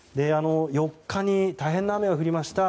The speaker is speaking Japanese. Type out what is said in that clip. ４日に大変な雨が降りました